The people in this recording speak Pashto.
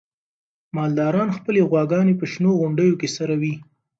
مالداران خپلې غواګانې په شنو غونډیو کې څروي.